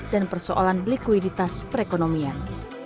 dan persoalan likuiditas perekonomian